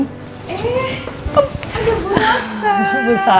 eh ada bu rosa